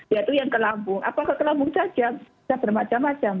yaitu yang ke lambung apakah ke lambung saja bisa bermacam macam